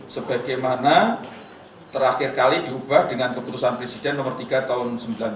sebagaimana terakhir kali diubah dengan keputusan presiden nomor tiga tahun seribu sembilan ratus sembilan puluh